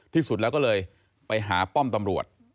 ที่สุดแล้วก็เลยไปหาป้อมตำรวจ